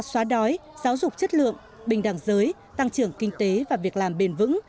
xóa đói giáo dục chất lượng bình đẳng giới tăng trưởng kinh tế và việc làm bền vững